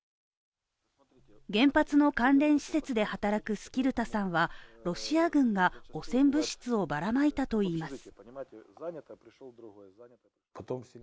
原発の関連施設で働くスキルタさんはロシア軍が汚染物質をばらまいたといいます。